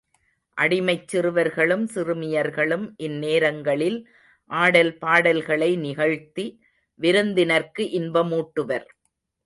அடிமைச் சிறுவர்களும் சிறுமியர்களும், இந்நேரங்களில் ஆடல் பாடல்களை நிகழ்த்தி விருந்தினர்க்கு இன்பமூட்டுவர்.